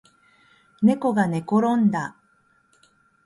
ねこがねころんだ